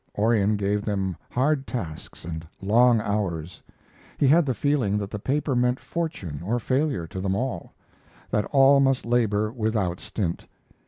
Orion gave them hard tasks and long hours. He had the feeling that the paper meant fortune or failure to them all; that all must labor without stint.